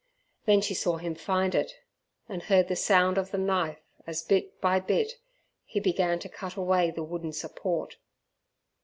Then she saw him find it; and heard the sound of the knife as bit by bit he began to cut away the wooden support.